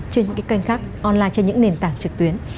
trên những cái kênh khác online trên những nền tảng trực tuyến